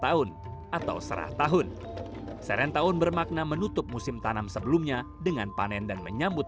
tahun atau serah tahun serentahun bermakna menutup musim tanam sebelumnya dengan panen dan menyambut